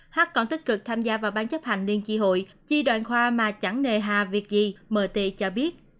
hát còn tích cực tham gia vào bán chấp hành liên tri hội chi đoàn khoa mà chẳng nề hà việc gì mt cho biết